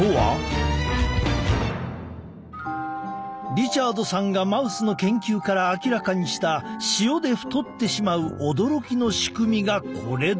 リチャードさんがマウスの研究から明らかにした塩で太ってしまう驚きの仕組みがこれだ。